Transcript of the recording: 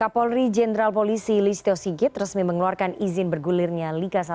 kapolri jenderal polisi listio sigit resmi mengeluarkan izin bergulirnya liga satu